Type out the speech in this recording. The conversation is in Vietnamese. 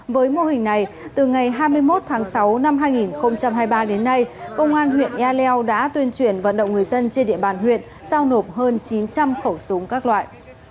với mô hình này từ ngày hai mươi một tháng sáu năm hai nghìn hai mươi ba đến nay công an huyện ea leo đã tuyên truyền vận động người dân trên địa bàn huyện giao nộp hơn chín trăm linh khẩu súng các loại